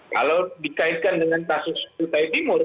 kalau dikaitkan dengan kasus kutai timur